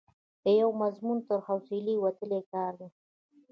د یوه مضمون تر حوصلې وتلی کار دی.